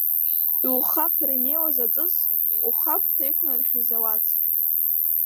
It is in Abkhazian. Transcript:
Иухаԥыр инеиуаз аҵыс ухагәҭа иқәнаршәыз ауац?